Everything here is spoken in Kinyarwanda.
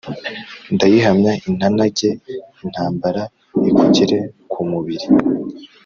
Ndayihamya intanage intambara ikugere ku mubili.